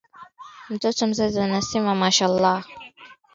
mtoto mzazi anasema Mashallah ikimaanisha Mwenyezi Mungu akulinde